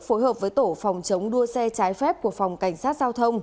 phối hợp với tổ phòng chống đua xe trái phép của phòng cảnh sát giao thông